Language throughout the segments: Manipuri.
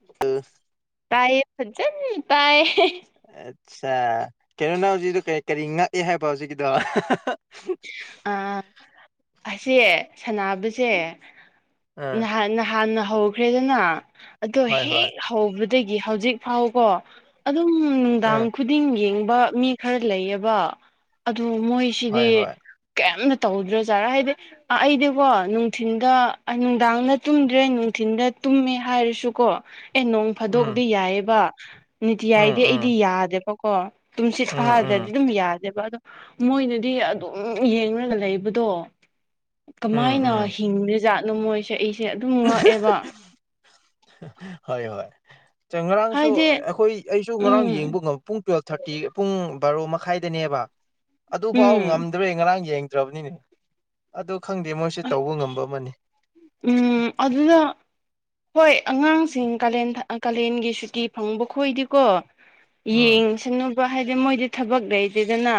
[unintelligible] ꯇꯥꯏꯌꯦ ꯐꯅ ꯇꯥꯏꯌꯦ ꯍꯦ ꯍꯦ ꯑꯠꯆꯥ ꯀꯩꯅꯣ ꯅꯪ ꯍꯧꯖꯤꯛꯀꯤꯗꯣ ꯀꯔꯤ ꯉꯛꯑꯦ ꯍꯥꯏꯕ ꯍꯧꯖꯤꯛꯀꯤꯗꯣ ꯍꯥ ꯍꯥ ꯑꯥ ꯑꯁꯤꯁꯦ ꯁꯅꯕꯁꯦ ꯎꯝ ꯅꯍꯥꯟ ꯅꯍꯥꯟꯅ ꯍꯧꯈ꯭ꯔꯦꯗꯅ ꯑꯗꯣ ꯍꯣꯏ ꯍꯣꯏ ꯍꯦꯛ ꯍꯧꯕꯗꯒꯤ ꯍꯧꯖꯤꯛ ꯐꯥꯎ ꯀꯣ ꯑꯗꯨꯝ ꯅꯨꯡꯗꯥꯡ ꯎꯝ ꯈꯨꯗꯤꯡ ꯌꯦꯡꯕ ꯃꯤ ꯈꯔ ꯂꯩꯌꯦꯕ ꯑꯗꯨ ꯍꯣꯏ ꯃꯣꯏꯁꯤꯗꯤ ꯍꯣꯏ ꯀꯌꯥꯝꯝꯅ ꯇꯧꯗ꯭ꯔꯣꯖꯥꯔꯥ ꯍꯥꯏꯗꯤ ꯑꯩꯗꯤꯀꯣ ꯅꯨꯡꯊꯤꯟꯗ ꯅꯨꯡꯗꯥꯡꯗ ꯇꯨꯝꯗ꯭ꯔꯦ ꯅꯨꯡꯊꯤꯟꯗ ꯇꯨꯝꯃꯦ ꯍꯥꯏꯔꯁꯨꯀꯣ ꯑꯦ ꯅꯣ ꯐꯥꯗꯣꯛꯇ ꯎꯝ ꯌꯥꯏꯑꯕ ꯅꯤꯇꯤꯌꯥꯏꯗꯤ ꯑꯩꯗꯤ ꯎꯝ ꯌꯥꯗꯦꯕꯀꯣ ꯇꯨꯝꯁꯤꯠ ꯎꯝ ꯐꯥꯗꯗꯤ ꯎꯝ ꯑꯗꯨꯝ ꯌꯥꯗꯦꯕ ꯑꯗꯣ ꯃꯣꯏꯅꯗꯤ ꯑꯗꯨꯝ ꯌꯦꯡꯒ ꯂꯩꯕꯗꯣ ꯎꯝ ꯎꯝ ꯀꯃꯥꯏꯅ ꯎꯝ ꯍꯤꯡꯗꯦ ꯖꯥꯠꯅꯣ ꯃꯣꯏꯁꯦ ꯑꯩꯁꯦ ꯑꯗꯨꯝ ꯉꯛꯑꯦꯕ ꯍꯣꯏ ꯍꯣꯏ ꯉꯔꯥꯡꯁꯨ ꯍꯥꯏꯗꯤ ꯑꯩꯈꯣꯏ ꯑꯩꯁꯨ ꯉꯔꯥꯡ ꯎꯝ ꯌꯦꯡꯕ ꯉꯝ ꯄꯨꯡ ꯇꯨꯋꯜꯞ ꯊꯥꯔꯇꯤ ꯄꯨꯡ ꯕꯥꯔꯣ ꯃꯈꯥꯏꯗꯅꯦꯕ ꯑꯗꯨꯐꯥꯎ ꯎꯝ ꯑꯗꯨ ꯑꯩ ꯉꯔꯥꯡ ꯌꯦꯡꯗ꯭ꯔꯕꯅꯤꯅꯦ ꯑꯗꯨ ꯈꯪꯗꯦ ꯃꯣꯏꯁꯨ ꯇꯧꯕ ꯉꯝꯕ ꯑꯃꯅꯤ ꯎꯝ ꯑꯗꯨꯅ ꯍꯣꯏ ꯑꯉꯥꯡꯁꯤꯡ ꯀꯥꯂꯦꯟ ꯀꯥꯂꯦꯟꯒꯤ ꯁꯨꯇꯤ ꯐꯪꯕ ꯈꯣꯏꯗꯤꯀꯣ ꯎꯝ ꯌꯦꯡꯁꯅꯨꯕ ꯍꯥꯏꯗꯤ ꯃꯣꯏꯗꯤ ꯊꯕꯛ ꯂꯩꯇꯦꯗꯅ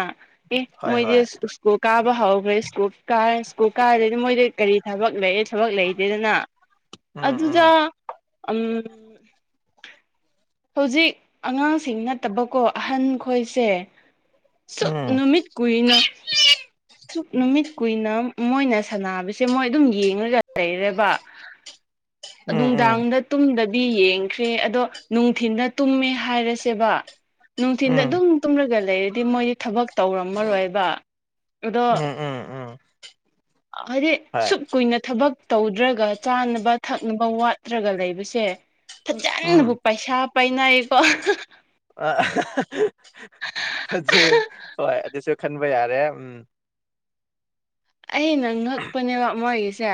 ꯑꯦ ꯍꯣꯏ ꯃꯣꯏꯗꯤ ꯍꯣꯏ ꯁ꯭ꯀꯨꯜ ꯀꯥꯕ ꯍꯧꯈ꯭ꯔꯦ ꯁꯀꯨꯜ ꯀꯥꯔ ꯁ꯭ꯀꯨꯜ ꯀꯥꯔꯗꯗꯤ ꯃꯣꯏꯗꯤ ꯀꯔꯤ ꯊꯕꯛ ꯂꯩ ꯊꯕꯛ ꯂꯩꯇꯦꯗꯅ ꯑꯗꯨꯗ ꯎꯝ ꯎꯝ ꯍꯧꯖꯤꯛ ꯑꯉꯥꯡꯁꯤꯡ ꯅꯠꯇꯕꯀꯣ ꯑꯍꯟ ꯈꯣꯏꯁꯦ ꯎꯝ ꯁꯨꯛ ꯎꯝ ꯅꯨꯃꯤꯠ ꯀꯨꯏꯅ ꯁꯛ ꯅꯨꯃꯤꯠ ꯀꯨꯏꯅ ꯃꯣꯏꯅ ꯁꯥꯟꯅꯕꯁꯦ ꯃꯣꯏ ꯑꯗꯨꯝ ꯌꯦꯡꯉꯒ ꯂꯩꯔꯦꯕ [unintelligible] ꯅꯨꯡꯗꯥꯡꯗ ꯇꯨꯝꯗꯗꯤ ꯌꯦꯡꯈ꯭ꯔꯦ ꯑꯗꯣ ꯅꯨꯡꯊꯤꯟꯗ ꯇꯨꯝꯃꯦ ꯍꯥꯏꯔꯁꯦꯕ ꯎꯝ ꯅꯨꯡꯊꯤꯟꯗ ꯎꯝ ꯑꯗꯨꯝ ꯇꯨꯝꯂꯒ ꯂꯩꯔꯗꯤ ꯃꯣꯏꯗꯤ ꯊꯕꯛ ꯇꯧꯔꯝꯃꯔꯣꯏꯕ ꯑꯗꯣ ꯎꯝ ꯎꯝ ꯎꯝ ꯑꯥ ꯍꯥꯏꯗꯤ ꯍꯣꯏ ꯁꯨꯛ ꯀꯨꯏꯅ ꯊꯕꯛ ꯇꯧꯗ꯭ꯔꯒ ꯆꯥꯅꯕ ꯊꯛꯅꯕ ꯋꯥꯠꯇ꯭ꯔꯒ ꯂꯩꯕꯁꯦ ꯎꯝ ꯐꯖꯅꯕꯨ ꯄꯩꯁꯥ ꯄꯥꯏꯅꯩꯀꫭ [unintelligible] ꯍꯣꯏ ꯑꯗꯨꯁꯨ ꯈꯟꯕ ꯌꯥꯔꯦ ꯎꯝ ꯑꯩꯅ ꯉꯛꯄꯅꯦꯕ ꯃꯣꯏꯒꯤꯁꯦ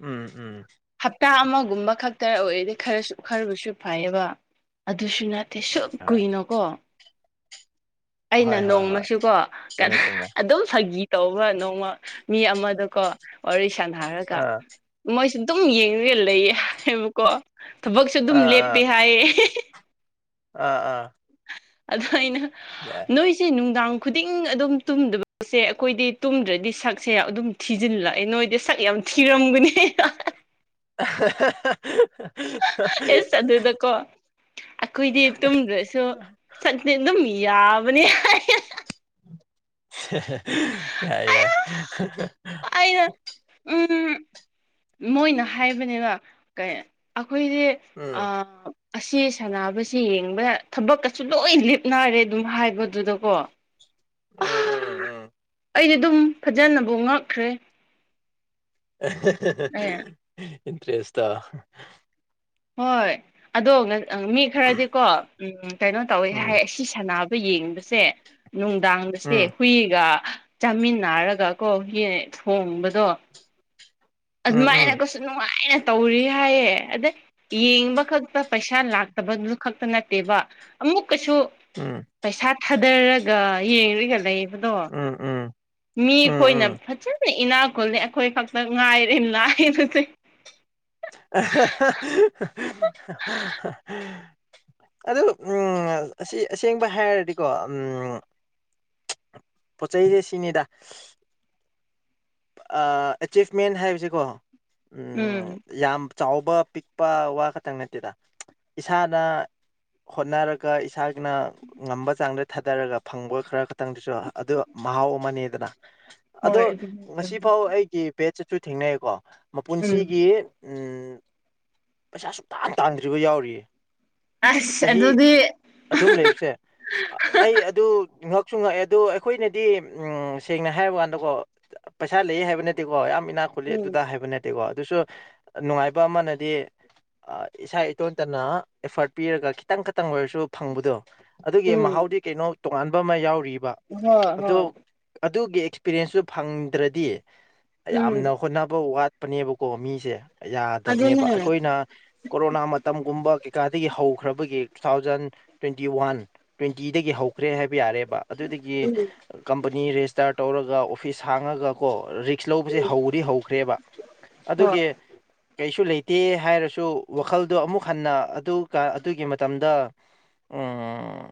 ꯎꯝ ꯎꯝ ꯍꯞꯇꯥ ꯑꯃꯒꯨꯝꯕ ꯈꯛꯇ ꯑꯣꯏꯔꯗꯤ ꯈꯔꯁꯨ ꯈꯔꯕꯨꯁꯨ ꯐꯩꯌꯦꯕ ꯑꯗꯨꯁꯨ ꯅꯠꯇ ꯇ‌ꯦ ꯁꯨꯛ ꯍꯣꯏ ꯀꯨꯏꯅꯀꯣ ꯑꯩꯅ ꯍꯣꯏ ꯍꯣꯏ ꯍꯣꯏ ꯅꯣꯡꯃꯁꯨꯀꯣ ꯆꯨꯝꯃꯦ ꯀꯩꯅꯣ ꯆꯨꯝꯃꯦ ꯑꯗꯨꯝ ꯐꯒꯤ ꯇꯧꯕ ꯅꯣꯡꯃ ꯃꯤ ꯑꯃꯗꯀꯣ ꯋꯥꯔꯤ ꯁꯥꯟꯅꯔꯒ ꯑꯥ ꯃꯣꯏꯁꯦ ꯑꯗꯨꯝ ꯌꯦꯡꯉꯒ ꯂꯩꯌꯦ ꯍꯥꯏꯕꯀꯣ꯫ ꯊꯕꯛꯁꯨ ꯑꯗꯨꯝ ꯑꯥ ꯂꯦꯞꯄꯤ ꯍꯥꯏꯌꯦ꯫ ꯑ ꯑꯥ꯫ ꯑꯗꯨ ꯑꯩꯅ꯫ ꯌꯥ ꯅꯣꯏꯁꯦ ꯅꯨꯡꯗꯥꯡ ꯈꯨꯗꯤꯡ ꯑꯗꯨꯝ ꯇꯨꯝꯗꯕ ꯄꯣꯠꯁꯦ [unintelligible] ꯑꯩꯈꯣꯏꯗꯤ ꯇꯨꯝꯗ꯭ꯔꯗꯤ ꯁꯛꯁꯦ ꯑꯗꯨꯝ ꯊꯤꯖꯤꯜꯂꯛꯑꯦ ꯅꯣꯏꯗꯤ ꯁꯛ ꯌꯥꯝ ꯊꯤꯔꯝꯒꯅ [unintelligible] ꯑꯦꯁ ꯑꯗꯨꯗꯀꯣ ꯑꯩꯈꯣꯏꯗꯤ ꯇꯨꯝꯗ꯭ꯔꯁꯨ ꯁꯛꯇꯤ ꯑꯗꯨꯝ ꯌꯥꯕꯅꯦ [unintelligible] ꯌꯥꯏ ꯌꯥꯏ ꯑꯩꯅ ꯎꯝ ꯃꯣꯏꯅ ꯍꯥꯏꯕꯅꯦꯕ ꯀꯩ ꯑꯩꯈꯣꯏꯗꯤ ꯎꯝ ꯑꯥ ꯑꯁꯤ ꯁꯥꯟꯅꯕꯁꯤ ꯌꯦꯡꯕꯗ ꯊꯕꯛꯀꯁꯨ ꯂꯣꯏ ꯂꯤꯞꯅꯔꯦ ꯑꯗꯨꯝ ꯍꯥꯏꯕꯗꯨꯗꯀꯣ ꯎꯝ ꯎꯝ ꯎꯝ ꯑꯩꯗꯤ ꯑꯗꯨꯝ ꯐꯖꯅꯕꯨ ꯉꯛꯈ꯭ꯔꯦ ꯑꯦ [unintelligible] ꯏꯟꯇꯔꯦꯁꯥ ꯍꯣꯏ ꯑꯗꯣ ꯃꯤ ꯈꯔꯗꯤꯀꯣ ꯎꯝ ꯀꯩꯅꯣ ꯇꯧꯋꯤ ꯎꯝ ꯍꯥꯏ ꯁꯤ ꯁꯥꯟꯅꯕ ꯌꯦꯡꯕꯁꯦ ꯅꯨꯡꯗꯥꯡꯗꯁ‌ꯦ ꯎꯝ ꯍꯨꯏꯒ ꯆꯥꯃꯤꯟꯅꯔꯒ ꯀꯣ ꯌ‌ꯦꯡ ꯊꯣꯡꯕꯗꫭ ꯎꯝ ꯎꯝ ꯑꯗꯨꯃꯥꯏꯅꯒꯁꯨ ꯅꯨꯡꯉꯥꯏꯅ ꯇꯧꯔꯤ ꯍꯥꯏꯌꯦ ꯑꯗꯩ ꯌꯦꯡꯕ ꯈꯛꯇ ꯄꯩꯁꯥ ꯂꯥꯛꯇꯕꯗꯨꯗꯨ ꯈꯛꯇ ꯅꯠꯇꯦꯕ ꯑꯃꯨꯛꯀꯁꯨ ꯎꯝ ꯄꯩꯁꯥ ꯊꯥꯗꯔꯒ ꯌꯦꯡꯉꯒ ꯂꯩꯕꯗꯣ ꯎꯝ ꯎꯝ ꯃꯤ ꯎꯝ ꯈꯣꯏꯅ ꯎꯝ ꯐꯖꯅ ꯏꯅꯥꯛ ꯈꯨꯜꯂꯦ ꯑꯩꯈꯣꯏ ꯈꯛꯇ ꯉꯥꯏꯔꯦ ꯂꯥꯏꯔ [unintelligible] ꯑꯗꯨ ꯎꯝ ꯑꯁꯤ ꯑꯁꯦꯡꯕ ꯍꯥꯏꯔꯗꯤꯀꯣ ꯎꯝ ꯄ‌ꯣꯠ ꯆꯩꯁꯦ ꯁꯤꯅꯤꯗꯥ ꯑꯥ ꯑꯦꯆꯤꯞꯃꯦꯟ ꯍꯥꯏꯕꯁꯤꯀꯣ ꯎꯝ ꯌꯥꯝ ꯆꯥꯎꯕ ꯄꯤꯛꯄ ꯋꯥ ꯈꯛꯇꯪ ꯅꯠꯇꯦꯗ ꯏꯁꯥꯗ ꯍꯣꯠꯅꯔꯒ ꯏꯁꯥꯅ ꯉꯝꯕ ꯆꯥꯡꯗ ꯊꯥꯗꯔꯒ ꯐꯪꯕ ꯈꯔ ꯈꯛꯇꯪꯗꯨꯁꯨ ꯑꯗꯨ ꯃꯍꯥꯎ ꯑꯃꯅꯦꯗꯅ ꯑꯗꯣ ꯍꯣꯏ ꯑꯗꯨꯅꯤ ꯆꯨꯝꯃꯤ ꯉꯁꯤꯐꯥꯎ ꯑꯩ ꯕꯦꯠ ꯆꯠꯁꯨ [unintelligible] ꯊꯦꯡꯅꯩꯀꯣ ꯎꯝ ꯃꯄꯨꯟꯁꯤꯒꯤ꯫ ꯎꯝ ꯄꯩꯁꯥ ꯁꯨꯡ ꯇꯥꯡ ꯇꯥꯡꯗ꯭ꯔꯤꯕ ꯌꯥꯎꯔꯤꯌꯦ ꯑꯁ ꯆꯍꯤ ꯑꯗꯨꯗꯤ ꯑꯗꯨꯝ ꯂꯩꯕꯁꯦ ꯑꯩ ꯑꯗꯨ ꯉꯛ ꯉꯛꯁꯨ ꯉꯛꯑꯦ ꯑꯗꯣ ꯑꯩꯈꯣꯏꯅꯗꯤ ꯁꯦꯡꯅ ꯍꯥꯏꯕ ꯀꯥꯟꯗꯀꯣ ꯄꯩꯁꯥ ꯂꯩ ꯍꯥꯏꯕ ꯅꯠꯇꯦꯀꯣ ꯌꯥꯝ ꯏꯅꯥꯛ ꯈꯨꯠꯜꯂꯤ ꯎꯝ ꯑꯗꯨꯗ ꯍꯥꯏꯕ ꯅꯠꯇꯦꯀꯣ ꯑꯗꯨꯁꯨ ꯅꯨꯡꯉꯥꯏꯕ ꯑꯃꯅꯗꯤ ꯏꯁꯥ ꯏꯇꯣꯟꯇꯅ ꯑꯦꯐꯔꯠ ꯄꯤꯔꯒ ꯈꯤꯇꯪ ꯈꯇꯪ ꯑꯣꯏꯔꯁꯨ ꯐꯪꯕꯗꯣ ꯑꯗꯨꯒꯤ ꯎꯝ ꯃꯍꯥꯎꯗꯤ ꯀꯩꯅꯣ ꯇꯣꯉꯥꯟꯕ ꯑꯃ ꯌꯥꯎꯔꯤꯕ ꯍꯣꯏ ꯑꯗꯣ ꯍꯣꯏ ꯑꯗꯨꯒꯤ ꯑꯦꯛꯁꯄꯤꯔꯤꯌꯦꯟꯁꯁꯨ ꯐꯪꯗ꯭ꯔꯗꯤ ꯎꯝ ꯌꯥꯝꯅ ꯍꯣꯠꯅꯕ ꯋꯥꯠ ꯄꯅꯦꯕꯀꯣ ꯃꯤꯁꯦ ꯑꯗꯨꯅꯦ ꯌꯥꯗꯕꯅꯦꯕ ꯑꯩꯈꯣꯏꯅ ꯀꯣꯔꯣꯅꯥ ꯃꯇꯝꯒꯨꯝꯕ ꯀꯩꯀꯥꯗꯒꯤ ꯍꯧꯈ꯭ꯔꯕꯒꯤ ꯇꯨ ꯊꯥꯎꯖꯟ ꯇ꯭ꯋꯦꯟꯇꯤ ꯋꯥꯟ꯫ ꯇ꯭ꯋꯦꯟꯇꯤꯗꯒꯤ ꯍꯧꯈ꯭ꯔꯦ ꯍꯥꯏꯕ ꯌꯥꯔꯦꯕ꯫ ꯑꯗꯨꯗꯒꯤ ꯎꯝ ꯀꯝꯄꯅꯤ ꯔꯦꯖꯤꯁꯇꯥꯔ ꯇꯧꯔꯒ ꯑꯣꯐꯤꯁ ꯍꯥꯡꯉꯒ ꯀꯣ ꯔꯤꯛ꯫ ꯁꯂꯧꯕꯖꯦ ꯍꯧꯗꯤ ꯍꯧꯈ꯭ꯔꯦꯕ ꯍꯣꯏ ꯑꯗꯨꯒꯤ ꯀꯩꯁꯨ ꯂꯩꯇꯦ ꯍꯥꯏꯔꯁꯨ ꯋꯥꯈꯜꯗꯣ ꯑꯃꯨꯛ ꯍꯟꯅ ꯑꯗꯨꯒꯤ ꯃꯇꯝꯗ꯫ ꯎꯝ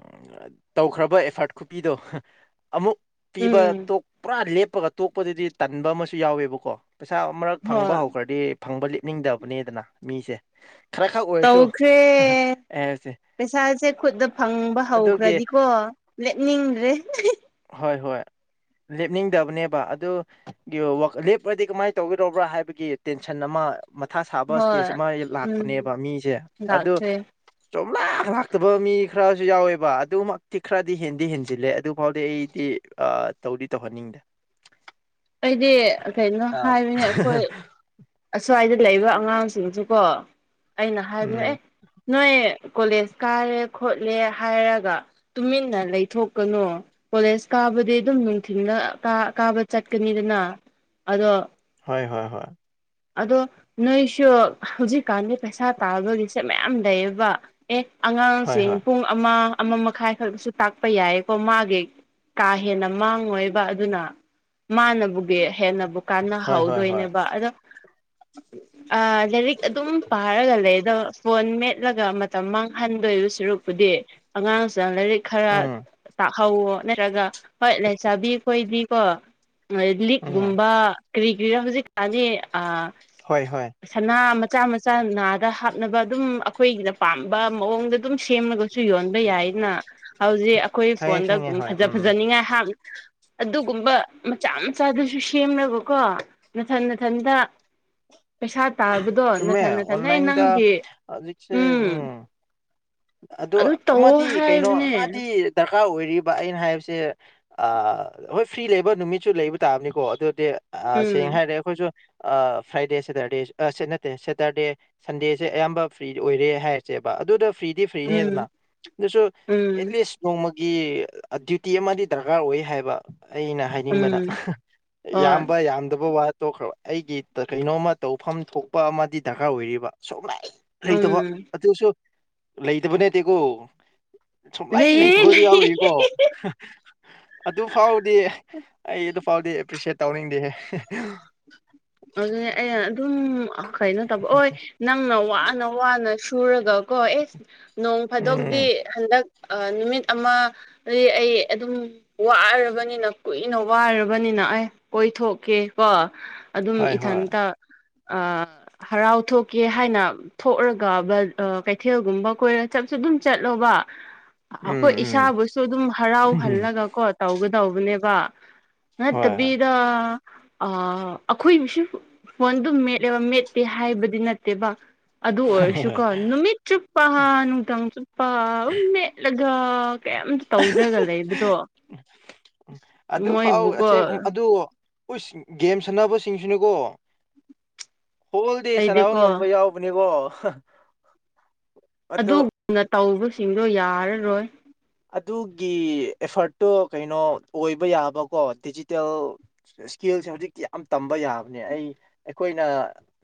ꯇꯧꯈ꯭ꯔꯕ ꯑꯦꯐꯥꯔꯠ ꯈꯨꯄꯤꯗꯣ ꯑꯃꯨꯛ꯫ ꯎꯝ ꯄꯤꯕꯇ‌ꯣ ꯄꯨꯔꯥ ꯂꯦꯞꯄꯒ ꯇꯣꯛꯄꯗꯨꯗꯤ ꯇꯟꯕ ꯑꯃꯁꯨ ꯌꯥꯎꯋꯦꯕꯀꯣ꯫ ꯄꯩꯁꯥ ꯑꯃꯛ ꯐꯪꯕ ꯍꯣꯏ ꯍꯧꯈ꯭ꯔꯗꯤ ꯐꯪꯕ ꯂꯦꯞꯅꯤꯡꯗꯕꯅꯤꯗꯅ ꯃꯤꯁꯦ꯫ ꯇꯧꯈꯔꯦ ꯑꯁꯦ ꯄꯩꯁꯥꯁꯦ ꯈꯨꯠꯇ ꯐꯪꯕ ꯍꯧꯈ꯭ꯔꯗꯤꯀꯣ ꯂꯦꯞꯅꯤꯡꯗ꯭ꯔꯦ ꯍꯣꯏ ꯂꯦꯞꯅꯤꯡꯗꯕꯅꯦꯕ ꯑꯗꯨꯒꯤ ꯂꯦꯞꯄꯗꯤ ꯀꯃꯥꯏꯅ ꯇꯧꯒꯔꯕ꯭ꯔꯥ ꯍꯥꯏꯕꯒꯤ ꯐꯪꯁꯟ ꯑꯃ ꯃꯊꯥ ꯁꯥꯕ ꯍꯣꯏ ꯏꯁꯇꯦꯖ ꯑꯃ ꯎꯝ ꯂꯥꯛꯄꯅꯦꯕ ꯃꯤꯁꯦ ꯑ ꯂꯥꯛꯈ꯭ꯔꯦ ꯆꯣꯝꯂꯥꯛ ꯂꯥꯛꯇꯕ ꯃꯤ ꯈꯔꯁꯨ ꯌꯥꯎꯋꯦꯕ ꯑꯗꯨꯃꯛꯇꯤ ꯈꯔꯗꯤ ꯍꯦꯟꯗꯤ ꯍꯦꯟꯖꯤꯜꯂꯦ ꯑꯗꯨ ꯐꯥꯎꯗꯤ ꯑꯩꯗꯤ ꯑ ꯇꯧꯗꯤ ꯇꯧꯍꯟꯅꯤꯡꯗꯦ ꯑꯩꯗꯤ ꯀꯩꯅꯣ ꯑꯥ ꯍꯥꯏꯕꯅꯦ ꯑꯩꯈꯣꯏ ꯑꯁ꯭ꯋꯥꯏꯗ ꯂꯩꯔꯤꯕꯕ ꯑꯉꯥꯡꯁꯤꯡꯁꯨꯀꯣ ꯑꯩꯅ ꯍꯥꯏꯕꯑꯦ ꯎꯝ ꯅꯣꯏ ꯀꯣꯂꯦꯖ ꯀꯥꯔꯦ ꯈꯣꯠꯂꯦ ꯍꯥꯏꯔꯒ ꯇꯨꯃꯤꯟꯅ ꯂꯩꯊꯣꯛꯀꯅꯨ꯫ ꯀꯣꯂꯦꯖ ꯀꯥꯕꯗꯤ ꯑꯗꯨꯝ ꯅꯨꯡꯊꯤꯜꯗ ꯀꯥꯕ ꯆꯠꯀꯅꯤꯗꯅ ꯑꯗꯣ꯫ ꯍꯣꯏ ꯍꯣꯏ ꯍꯣꯏ꯫ ꯑꯗꯣ ꯅꯣꯏꯁꯨ ꯍꯧꯖꯤꯛꯀꯥꯟꯗꯤ ꯄꯩꯁꯥ ꯇꯥꯟꯕꯒꯤꯁꯦ ꯃꯌꯥꯝ ꯂꯩꯌꯦꯕ ꯑꯦ꯫ ꯍꯣꯏ ꯑꯉꯥꯡꯁꯤꯡ ꯍꯣꯏ ꯄꯨꯡ ꯑꯃ ꯑꯃ ꯃꯈꯥꯏ ꯈꯛꯁꯨ ꯇꯥꯛꯄ ꯌꯥꯏꯀꯣ ꯃꯥꯒꯤ꯫ ꯀꯥ ꯍꯦꯟꯅ ꯃꯥꯡꯉꯣꯏꯕ ꯑꯗꯨꯅ ꯃꯥꯅꯕꯨꯒꯤ ꯍꯦꯟꯅꯕꯨ꯫ ꯀꯥꯟꯅ ꯍꯣꯏ ꯍꯣꯏ ꯍꯣꯏ ꯍꯧꯗꯣꯏꯅꯦꯕ ꯑꯗꯣ꯫ ꯑ ꯂꯥꯏꯔꯤꯛ ꯑꯗꯨꯝ ꯄꯥꯔꯒ ꯂꯩꯗ‌ꯣ꯫ ꯐꯣꯟ ꯃꯦꯠꯂꯒ ꯃꯇꯝ ꯃꯥꯡꯍꯟꯗꯣꯏꯕ ꯁꯨꯔꯛꯄꯨꯗꯤ꯫ ꯑꯉꯥꯡꯁꯤꯡ ꯂꯥꯏꯔꯤꯛ ꯈꯔ ꯎꯝ ꯇꯥꯛ꯫ ꯍꯧꯋꯣ ꯅꯠꯇ꯭ꯔꯒ ꯍꯣꯏ ꯂꯩꯥꯏꯁꯥꯕꯤꯈꯣꯏꯗꯤꯀꯣ ꯎꯝ ꯂꯤꯛꯀꯨꯝꯕ ꯀꯔꯤ ꯀ꯭ꯔꯤꯔ ꯍꯧꯖꯤꯛ ꯀꯅꯤ ꯑ ꯍꯣꯏ ꯍꯣꯏ ꯁꯅꯥ ꯃꯆꯥ ꯃꯆꯥ ꯅꯥꯗ ꯍꯥꯞꯅꯕ ꯑꯗꯨꯝ ꯑꯩꯈꯣꯏꯅ ꯄꯥꯝꯕ ꯃꯑꯣꯡꯗ ꯑꯗꯨꯝ ꯁꯦꯝꯂꯒ ꯁꯨ ꯌꯣꯟꯕ ꯌꯥꯏꯅ ꯍꯧꯖꯤꯛ ꯑꯩꯈꯣꯏ ꯈꯪꯉꯦ ꯐꯣꯟꯗ ꯈꯪꯉꯦ ꯍꯣꯏ ꯐꯖ ꯎꯝ ꯐꯖꯅꯤꯡꯉꯥꯏ ꯍꯥ ꯑꯗꯨꯒꯨꯝꯕ ꯃꯆꯥ ꯃꯆꯥꯗꯨꯁꯨ ꯁꯦꯝꯅꯕꯀꯣ ꯃꯅꯥꯊꯟ ꯃꯅꯥꯊꯟꯗ ꯄꯩꯁꯥ ꯇ ꯃꯦꯃꯦꯟꯂꯥꯏꯟꯗꯖꯤꯁꯦ ꯎꯝ ꯑꯣ ꯑꯗꯨ ꯇꯧꯋꯣ ꯑꯃꯗꯤ ꯀꯩꯅꯣ ꯍꯥꯏꯕꯅꯦ ꯑꯃꯗꯤ ꯗꯔꯀꯥꯔ ꯑꯣꯏꯔꯤꯕ ꯑꯩꯅ ꯍꯥꯏꯕꯁꯦ ꯑ ꯍꯣꯏ ꯐ꯭ꯔꯤ ꯂꯩꯕ ꯅꯨꯃꯤꯠꯁꯨ ꯂꯩꯕ ꯇꯥꯕꯅꯤꯀꯣ ꯑꯗꯨꯗꯤ ꯑ ꯎꯝ ꯁꯦꯡꯅ ꯍꯥꯏꯔꯦ ꯑꯩꯈꯣꯏꯁꯨ ꯑ ꯐ꯭ꯔꯥꯏꯗꯦ ꯁꯦꯇꯔꯗꯦ ꯁꯦꯇꯔꯗꯦ ꯁꯟꯗꯦꯁꯦ ꯑꯌꯥꯝꯕ ꯐ꯭ꯔꯤ ꯑꯣꯏꯔꯦ ꯍꯥꯏꯔꯁꯦꯕ ꯑꯗꯨꯗ ꯐ꯭ꯔꯤꯗꯤ ꯎꯝ ꯐ꯭ꯔꯤꯅꯦꯗꯅ ꯑꯗꯨꯁꯨ ꯎꯝ ꯑꯦꯠꯂꯤꯁ ꯅꯣꯡꯃꯒꯤ ꯗ꯭ꯌꯨꯇꯤ ꯑꯃꯗꯤ ꯗꯔꯀꯥꯔ ꯑꯣꯏ ꯍꯥꯏꯕ ꯑꯩꯅ ꯍꯥꯏꯅꯤꯡꯕꯗ ꯎꯝ ꯍꯣꯏ ꯌꯥꯝꯕ ꯌꯥꯝꯗꯕ ꯋꯥꯠ ꯇꯣꯛꯈ꯭ꯔꯕ ꯑꯩꯒꯤ ꯀꯩꯅꯣꯝꯃ ꯇꯧꯐꯝ ꯊꯣꯛꯄ ꯑꯃꯗꯤ ꯗꯔꯀꯥꯔ ꯑꯣꯏꯔꯤꯕ ꯁꯨꯝꯂ ꯂꯩꯇꯕ ꯎꯝ ꯑꯗꯨꯁꯨ ꯂꯩꯇꯕ ꯅꯠꯇꯦꯀꯣ ꯁꯨꯡꯂꯩ ꯂꯩꯌꯦ ꯂꯩꯇꯕꯁꯨ ꯂꯩꯌꯦ ꯌꯥꯎꯔꯤꯀꯣ ꯑꯗꯨꯐꯥꯎꯗꯤ ꯑꯩ ꯑꯗꯨꯐꯥꯎꯗꯤ ꯑꯦꯄ꯭ꯔꯤꯁꯦꯠ ꯇꯧꯅꯤꯡꯗꯦꯍꯦ ꯑꯗꯨ ꯑꯩ ꯑꯗꯨꯝ ꯀꯩꯅꯣ ꯇꯧꯕ ꯍꯣꯏ ꯅꯪꯅ ꯋꯥꯅ ꯋꯥꯅ ꯁꯨꯔꯒꯀꯣ ꯑꯦꯁ ꯅꯣꯡ ꯐꯥꯗꯧꯗꯤ ꯎꯝ ꯍꯟꯗꯛ ꯑ ꯅꯨꯃꯤꯠ ꯑꯃ ꯑꯩ ꯑꯗꯨꯝ ꯋꯥꯔꯕꯅꯤꯅ ꯀꯨꯏꯅ ꯋꯥꯔꯕꯅꯤꯅ ꯑꯩ ꯀꯣꯏꯊꯣꯛꯀꯦ ꯀꯣ ꯑꯗꯨꯝ ꯍꯣꯏ ꯍꯣꯏ ꯏꯊꯟꯇ ꯑꯥ ꯍꯔꯥꯎ ꯊꯣꯛꯀꯦ ꯍꯥꯏꯅ꯫ ꯊꯣꯛꯑꯒꯕ ꯀꯩꯊꯦꯜꯒꯨꯝꯕ ꯀꯣꯏꯔ ꯆꯞꯁꯨ ꯑꯗꯨꯝ ꯆꯠꯂꯣꯕ꯫ ꯑꯩꯈꯣꯏ ꯎꯝ ꯎꯝ ꯏꯁꯥꯕꯨꯁꯨ ꯑꯗꯨꯝ ꯍꯔꯥꯎꯍꯜꯂꯒ ꯀꯣ ꯇꯧꯒꯗꯧꯕꯅꯦꯕ꯫ ꯍꯣꯏ ꯍꯣꯏ ꯅꯠꯇꯕꯤꯗ ꯑ꯫ ꯑꯩꯈꯣꯏꯃꯤꯁꯨ ꯐꯣꯟꯗꯨ ꯃꯦꯠꯂꯦꯕ ꯃꯦꯠꯇꯦ ꯍꯥꯏꯕꯗꯤ ꯅꯠꯇꯦꯕ꯫ ꯑꯗꯨ ꯍꯣꯏ ꯑꯣꯏꯔꯁꯨꯀꯣ ꯅꯨꯃꯤꯠ ꯆꯨꯞꯄ ꯅꯨꯗꯥꯡ ꯆꯨꯞꯄ ꯑꯗꯨꯝ ꯃꯦꯠꯂꯒ꯫ ꯀꯩꯝ ꯇꯧꯗ꯭ꯔꯒ ꯂꯩꯕꯗꯣ ꯃꯣꯏꯕꯨꯀꯣ꫰꫰ ꯍꯨꯁ ꯒꯦꯝ ꯁꯥꯟꯅꯕꯁꯤꯡꯁꯤꯅꯤꯀꯣ ꯍꯣꯜ ꯗꯦ ꯁꯥꯟꯅꯕ ꯑꯩꯗꯤꯀꯣ ꯉꯝꯕ ꯌꯥꯎ ꯕꯅꯦꯀꯣ꯫ ꯑꯗꯨꯒꯨꯝꯅ ꯇꯧꯕꯁꯤꯡꯗꯣ ꯌꯥꯔꯥꯔꯣꯏ꯫ ꯑꯗꯨꯒꯤ ꯑꯦꯐꯔꯠꯇꯣ ꯀꯩꯅꯣ ꯑꯣꯏꯕ ꯌꯥꯕꯀꯣ ꯗꯤꯖꯤꯇꯦꯜ꯫ ꯏꯁꯀꯦꯜꯁꯦ ꯍꯧꯖꯤꯛꯇꯤ ꯌꯥꯝ ꯇꯝꯕ ꯌꯥꯕꯅꯦ ꯑꯩ ꯑꯩꯈꯣꯏꯅ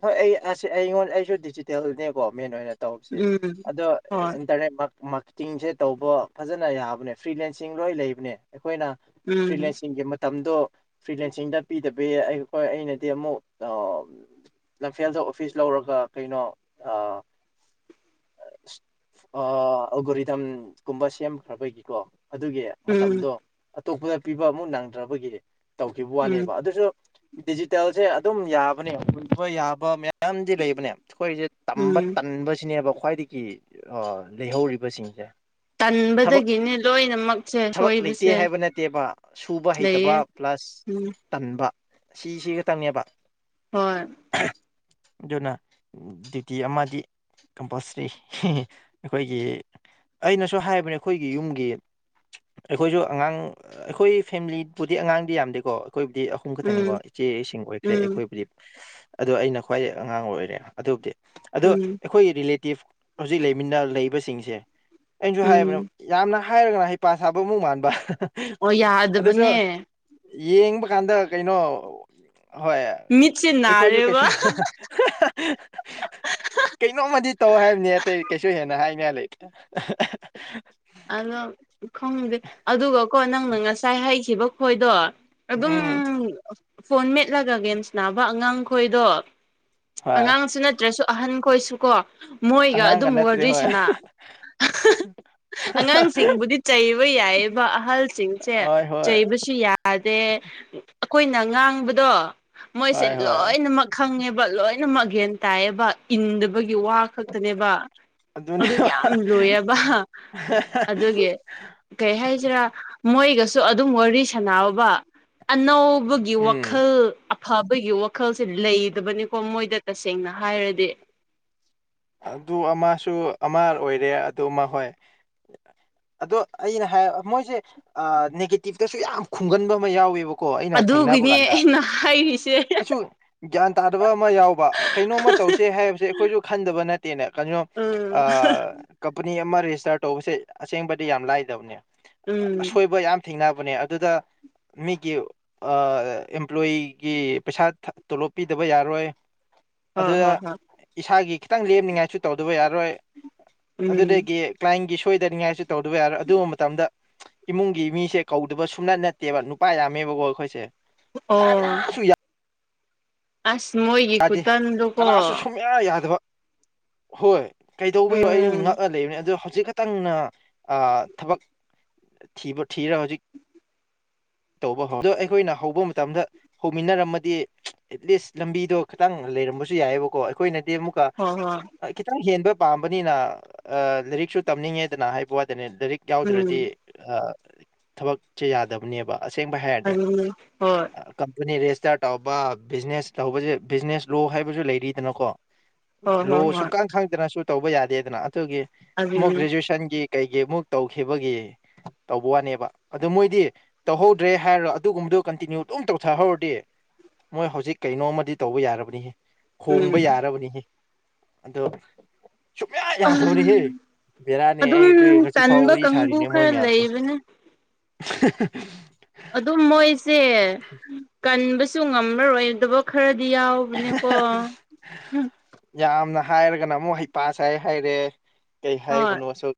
ꯍꯣꯏ ꯑꯩ ꯑꯁꯦ ꯑꯩꯉꯣꯟꯅ ꯑꯩꯁꯨ ꯗꯤꯖꯤꯇꯦꯜꯅꯦꯀꯣ ꯃꯦꯟ ꯑꯣꯏꯅ ꯇꯧꯁꯦ ꯎꯝ ꯑꯗꯣ ꯍꯣꯏ ꯏꯟꯇꯔꯅꯦꯠ ꯃꯥꯛ ꯃꯥꯛꯇꯤꯡꯁꯦ ꯇꯧꯕ ꯐꯖꯅ ꯌꯥꯕꯅꯦ ꯐ꯭ꯔꯤꯂꯦꯟꯁꯤꯡ ꯔꯣꯏ ꯂꯩꯕꯅꯦ ꯑꯩꯈꯣꯏꯅ ꯎꯝ ꯐ꯭ꯔꯤꯂꯦꯟꯁꯤꯡꯒꯤ ꯃꯇꯝꯗꯣ꯫ ꯐ꯭ꯔꯤꯂꯦꯟꯁꯤꯡꯗ ꯄꯤꯗꯕꯤ ꯑꯩꯈꯣꯏ ꯑꯩꯅꯗꯤ ꯑꯃꯨꯛ ꯂꯝꯐꯦꯜꯗ ꯑꯣꯐꯤꯁ ꯂꯧꯔꯒ ꯀꯩꯅꯣ ꯑꯥ꯫ ꯑꯜꯒꯣꯜꯔꯤꯊꯝ ꯀꯨꯝꯕꯁ ꯁꯦꯝꯈ꯭ꯔꯕꯒꯤꯀꯣ ꯑꯗꯨꯒꯤ ꯎꯝ ꯃꯇꯝꯗꯣ ꯑꯇꯣꯞꯄꯗ ꯄꯤꯕ ꯑꯃꯨꯛ ꯅꯪꯗ꯭ꯔꯕꯒꯤ꯫ ꯇꯧꯈꯤꯕ ꯎꯝ ꯋꯥꯅꯦꯕ ꯑꯗꯨꯁꯨ ꯗꯤꯖꯤꯇꯦꯜꯁꯦ ꯑꯗꯨꯝ ꯌꯥꯕꯅꯦ ꯍꯧꯕ ꯌꯥꯕ ꯃꯌꯥꯝ ꯌꯥꯝꯗꯤ ꯂꯩꯕꯅꯦ ꯑꯩꯈꯣꯏꯁꯦ ꯇꯝꯕ ꯎꯝ ꯇꯟꯕꯁꯤꯅꯦꯕ ꯈ꯭ꯋꯥꯏꯗꯒꯤ ꯀꯤ ꯑꯥ ꯂꯩꯍꯧꯔꯤꯕꯁꯤꯡꯁꯦ꯫ ꯊꯕꯛ ꯇꯟꯕꯗꯒꯤꯅꯦ ꯂꯣꯏꯅꯃꯛꯁꯦ ꯊꯕꯛ ꯂꯩꯇꯦ ꯁꯣꯏꯕꯁꯦ ꯍꯥꯏꯕ ꯅꯠꯇꯦꯕ ꯁꯨꯕ ꯍꯩꯇꯕ꯫ ꯂꯩꯌꯦ ꯄ꯭ꯂꯁ ꯎꯝ ꯇꯟꯕ ꯁꯤꯁꯤ ꯈꯛꯇꯪꯅꯦꯕ꯫ ꯍꯣꯏ꯫ ꯑꯗꯨꯅ꯫ ꯗ꯭ꯌꯨꯇꯤ ꯑꯃꯗꯤ ꯀꯝꯄꯜꯁꯔꯤ ꯑꯩꯈꯣꯏꯒꯤ ꯑꯩꯅꯁꯨ ꯍꯥꯏꯕꯅꯦ ꯑꯩꯈꯣꯏꯒꯤ ꯌꯨꯝꯒꯤ꯫ ꯑꯩꯈꯣꯏꯖꯨ ꯑꯉꯥꯡ ꯑꯩꯈꯣꯏ ꯐꯦꯝꯃꯤꯂꯤ ꯕꯨꯗꯤ ꯑꯉꯥꯡꯗꯤ ꯌꯥꯝꯗꯦꯀꯣ ꯑꯩꯈꯣꯏꯕꯨꯗꯤ ꯑꯄꯨꯝ ꯎꯝ ꯈꯛꯇꯅꯤꯀꯣ ꯏꯆꯦꯁꯤꯡ ꯑꯣꯏꯈ꯭ꯔꯦ ꯎꯝ ꯑꯩꯈꯣꯏꯕꯨꯗꯤ ꯑꯗꯣ ꯑꯩꯅ ꯈ꯭ꯋꯥꯏꯗꯒꯤ ꯑꯉꯥꯡ ꯑꯣꯏꯔꯦ ꯑꯗꯨꯕꯨꯗꯤ ꯑꯗꯣ ꯎꯝ ꯑꯩꯈꯣꯏꯒꯤ ꯔꯤꯂꯦꯇꯤꯞ ꯍꯧꯖꯤꯛ ꯂꯩꯃꯤꯟꯅ ꯂꯩꯕꯁꯤꯡꯁꯦ ꯑꯩꯅꯁꯨ ꯎꯝ ꯍꯥꯏꯕꯅꯦ ꯌꯥꯝꯅ ꯍꯥꯏꯔꯒꯅ ꯍꯩꯄꯥ ꯁꯥꯕ ꯃꯨꯛ ꯃꯥꯟꯕ꯫ ꯑꯣ ꯑꯗꯨꯁꯨ ꯌꯥꯗꯕꯅꯦ꯫ ꯌꯦꯡꯕ ꯀꯥꯟꯗ ꯀꯩꯅꯣ ꯍꯣꯏ꯫ ꯃꯤꯠꯁꯦ ꯑꯩꯈꯣꯏꯁꯨꯨ ꯀꯩꯁꯨ꯫ ꯅꯥꯔꯦꯕ [unintelligible] ꯀꯩꯅꯣꯝꯃꯗꯤ ꯇꯧ ꯍꯥꯏꯕꯅꯤ ꯑꯇꯩ ꯀꯩꯁꯨ ꯍꯦꯟꯅ ꯍꯥꯏꯅꯤꯡꯉꯥꯏ ꯂꯩꯇꯦ꯫ ꯑꯗꯣ ꯈꯪꯗꯦ ꯑꯗꯨꯒꯀꯣ ꯅꯪꯅ ꯉꯁꯥꯏ ꯍꯥꯏꯈꯤꯕ ꯈꯣꯏꯗꯣ꯫ ꯑꯗꯨꯝ ꯎꯝ ꯐꯣꯟ ꯃꯦꯠꯂꯒ ꯒꯦꯝꯁꯥꯅꯕ ꯑꯉꯥꯡ ꯈꯣꯏꯗꯣ꯫ ꯍꯣꯏ ꯑꯉꯥꯡꯁꯨ ꯅꯠꯇ꯭ꯔꯁꯨ ꯑꯍꯟ ꯈꯣꯏꯁꯨ ꯀꯣ꯫ ꯃꯣꯏꯒ ꯑꯉꯥꯡꯒ ꯑꯗꯨꯝ ꯅꯠꯇ꯭ꯔꯦ ꯋꯥꯔꯤ ꯍꯣꯏ ꯁꯅꯥ꯫ ꯑꯉꯥꯡꯁꯤꯡꯕꯨꯗꯤ ꯆꯩꯕ ꯌꯥꯏꯌꯦꯕ ꯑꯍꯜꯁꯤꯡꯁꯦ ꯍꯣꯏ ꯍꯣꯏ ꯆꯩꯕꯁꯨ ꯆꯩꯕꯁꯨ ꯌꯥꯗꯦ ꯑꯈꯣꯏꯅ ꯉꯥꯡꯕꯗꯣ ꯃꯣꯏꯁꯦ ꯍꯣꯏ ꯍꯣꯏ ꯂꯣꯏꯅꯃꯛ ꯈꯪꯉꯦꯕ ꯂꯣꯏꯅꯃꯛ ꯒꯦꯟ ꯇꯥꯏꯌꯦꯕ꯫ ꯏꯟꯗꯕꯒꯤ ꯋꯥ ꯈꯛꯇꯅꯦꯕ ꯑꯗꯨꯅꯦ ꯑꯗꯨ ꯌꯥꯝ ꯂꯨꯌꯦꯕ꯫ [unintelligible] ꯑꯗꯨꯒꯤ꫰꫰ ꯀꯩ ꯍꯥꯏꯁꯤꯔꯥ ꯃꯣꯏꯒꯁꯨ ꯑꯗꯨꯝ ꯋꯥꯔꯤ ꯁꯥꯟꯅꯥꯕ ꯑꯅꯧ ꯕꯒꯤ ꯎꯝ ꯋꯥꯈꯜ꯫ ꯐꯕꯒꯤ ꯋꯥꯈꯜꯁꯦ ꯂꯩꯇꯕꯅꯦ ꯃꯣꯏꯗ ꯇꯁꯦꯡꯅ ꯍꯥꯏꯔꯗꯤ꯫ ꯑꯗꯨ ꯑꯃꯁꯨ ꯑꯃ ꯑꯣꯏꯔꯦ ꯑꯗꯨ ꯃꯍꯣꯏ ꯑꯗꯨ ꯑꯩꯅ ꯍꯥꯏ ꯃꯣꯏꯁꯦ ꯑꯥ ꯅꯦꯒꯦꯇꯤꯞꯇꯁꯨ ꯌꯥꯝ ꯈꯨꯡꯒꯟꯕ ꯑꯃ ꯌꯥꯎꯋꯦꯕ ꯀꯣ ꯑꯩꯅ ꯊꯦꯡꯅꯕ ꯑꯗꯨꯒꯤꯅꯦ ꯀꯥꯟꯗ ꯑꯩꯅ ꯍꯥꯏꯔꯤꯁꯦ ꯑꯩꯁꯨ ꯒ꯭ꯌꯥꯟ ꯇꯥꯗꯕ ꯑꯃ ꯌꯥꯎꯕ ꯀꯩꯅꯣꯝꯃ ꯇꯧꯁꯦ ꯍꯥꯏꯕꯁꯦ ꯑꯩꯈꯣꯏꯁꯨ ꯈꯟꯗꯕ ꯅꯠ ꯅꯠꯇꯦꯅꯦ ꯀꯩꯔꯤꯅꯣ ꯎꯝ ꯑꯥ ꯀꯝꯄꯅꯤ ꯑꯃꯥ ꯔꯦꯖꯤꯁꯇꯥꯔ ꯇꯧꯕꯁꯦ ꯑꯁꯦꯡꯕꯗꯤ ꯌꯥꯝ ꯂꯥꯏꯗꯕꯅꯦ ꯎꯝ ꯑꯁꯣꯏꯕ ꯌꯥꯝ ꯊꯦꯡꯅꯕꯅꯦ ꯑꯗꯨꯗ ꯃꯤꯀꯤ ꯑꯥ ꯑꯦꯝꯄ꯭ꯂꯣꯌꯤꯒꯤ ꯄꯩꯁꯥ ꯇꯣꯂꯣꯞ ꯄꯤꯗꯕ ꯌꯥꯔꯣꯏ ꯍꯣꯏ ꯑꯗꯨꯗ ꯍꯣꯏ ꯍꯣꯏ ꯏꯁꯥꯒꯤ ꯈꯤꯇꯪ ꯂꯦꯝꯅꯤꯡꯉꯥꯏꯁꯨ ꯇꯧꯗꯕ ꯌꯥꯔꯣꯏ ꯎꯝ ꯑꯗꯨꯗꯒꯤ ꯀ꯭ꯂꯥꯏꯟꯒꯤ ꯁꯣꯏꯗꯅꯤꯡꯉꯥꯏꯁꯨ ꯇꯧꯗꯕ ꯌꯥꯔꯣꯏ ꯑꯗꯨꯎꯕ ꯃꯇꯝꯗ ꯏꯃꯨꯡꯒꯤ ꯃꯤꯁꯦ ꯀꯧꯗꯕ ꯁꯨꯛꯅꯠ ꯅꯠꯇꯦꯕ ꯅꯨꯄꯥ ꯌꯥꯝꯃꯦꯕꯒꯣ ꯑꯩꯈꯣꯏꯁꯦ ꯑꯣ ꯀꯅꯁꯨ ꯌꯥ ꯑꯁ ꯃꯣꯏꯒꯤ ꯈꯨꯇꯟꯗꯣ ꯀꯣ ꯃꯌꯥ ꯌꯥꯗꯕ ꯍꯣꯏ ꯀꯩꯗꯧꯕꯌꯣ ꯑꯩ ꯎꯝ ꯉꯛꯑ ꯂꯩꯕꯅꯤ ꯑꯗꯨꯗꯣ ꯍꯧꯖꯤꯛ ꯈꯤꯇꯪꯅ ꯊꯕꯛ ꯊꯤꯕ ꯊꯤꯔ ꯍꯧꯖꯤꯛ ꯇꯧꯕ ꯑꯗꯣ ꯑꯩꯈꯣꯏꯅ ꯍꯧꯕ ꯃꯇꯝꯗ ꯍꯧꯃꯤꯟꯅꯔꯝꯃꯗꯤ ꯑꯦꯠꯂꯤꯁ ꯂꯝꯕꯤꯗꯣ ꯈꯤꯇꯪ ꯂꯩꯔꯝꯕꯁꯨ ꯌꯥꯏꯑꯦꯕꯀꯣ ꯑꯩꯈꯣꯏꯅꯗꯤ ꯑꯃꯨꯛꯀ ꯍꯣꯏ ꯍꯣꯏ ꯈꯤꯇꯪ ꯍꯦꯟꯕ ꯄꯥꯝꯕꯅꯤꯅ ꯂꯥꯏꯔꯤꯛꯁꯨ ꯇꯝꯅꯤꯡꯉꯦꯗꯅ ꯍꯥꯏꯕ ꯋꯥꯗꯅꯦ ꯂꯥꯏꯔꯤꯛ ꯎꯝ ꯌꯥꯎꯗ꯭ꯔꯗꯤ ꯊꯕꯛꯁꯦ ꯌꯥꯗꯕꯅꯦꯕ ꯑꯁꯦꯡꯕ ꯍꯥꯏꯔꯗꯤ ꯑꯗꯨꯅꯤ ꯍꯣꯏ ꯀꯝꯄꯅꯤ ꯔꯦꯖꯤꯁꯇꯥꯔ ꯇꯧꯕ ꯕꯤꯖꯤꯅꯦꯁ ꯇꯧꯕꯁꯦ ꯕꯤꯖꯤꯅꯦꯁ ꯂꯣ ꯍꯥꯏꯕꯁꯨ ꯂꯩꯔꯤꯗꯅꯀꯣ ꯍꯣꯏ ꯍꯣꯏ ꯂꯣ ꯍꯣꯏ ꯁꯨꯡꯈꯪ ꯈꯪꯗꯅꯁꯨ ꯇꯧꯕ ꯌꯥꯗꯦꯗꯅ ꯑꯗꯨꯒꯤ ꯃꯣ ꯑꯗꯨꯅꯤ ꯒ꯭ꯔꯦꯖꯨꯋꯦꯁꯟꯒꯤ ꯀꯩꯒꯤ ꯑꯃꯨꯛ ꯇꯧꯈꯤꯕꯒꯤ ꯇꯧꯕꯋꯥꯅꯦꯕ ꯑꯗꯨ ꯃꯣꯏꯗꯤ ꯇꯧꯍꯧꯗ꯭ꯔꯦ ꯍꯥꯏꯔꯣ ꯑꯗꯨꯒꯨꯝꯕꯗꯨ ꯀꯟꯇꯤꯅ꯭ꯌꯨ ꯑꯗꯨꯝ ꯇꯧꯊꯍꯧꯔꯗꯤ ꯃꯣꯏ ꯍꯧꯖꯤꯛ ꯀꯩꯅꯣꯝꯃꯗꯤ ꯇꯧꯕ ꯌꯥꯔꯕꯅꯤ ꯍꯦ ꯎꯝ ꯈꯣꯡꯕ ꯌꯥꯔꯕꯅꯤ ꯍꯦ ꯑꯗꯣ ꯁꯨꯡꯌꯥ ꯌꯥꯗꯕꯅꯤ ꯍꯦ ꯕꯦꯔꯥꯅꯦ ꯑꯗꯨꯝ ꯑꯩ ꯑꯗꯨꯏ ꯉꯁꯤ ꯐꯥꯎ ꯇꯟꯕ ꯋꯥꯔꯤ ꯀꯥꯡꯕꯨ ꯁꯥꯔꯤꯅꯦ ꯃꯣꯏ ꯈꯔ ꯃꯌꯥꯝꯁꯦ ꯂꯩꯕꯅꯦ ꯑꯗꯨꯝ ꯃꯣꯏꯁꯦ ꯀꯟꯕꯁꯨ ꯉꯝꯃꯔꯣꯏ ꯑꯗꯨꯕꯨ ꯈꯔꯗꯤ ꯌꯥꯎꯕꯅꯦꯀꯣ ꯍꯣꯏ ꯌꯥꯝꯅ ꯍꯥꯏꯔꯒꯅ ꯑꯃꯨꯛ ꯍꯩꯄꯥꯁꯥꯏ ꯍꯥꯏꯔꯦ ꯀꯩ ꯍꯥꯏꯕꯅꯣꯁꯨ